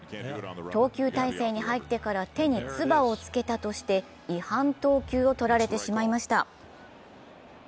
投球体勢に入ってから手に唾をつけたとして違反投球を取られてしまいました。